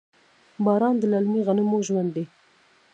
باران د للمي غنمو ژوند دی.